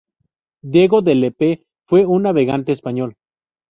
Diego de Lepe fue un navegante español.